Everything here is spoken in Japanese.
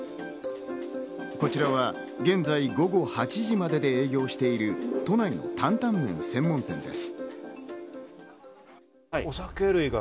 こちらは現在午後８時まで営業している都内の担々麺専門店です。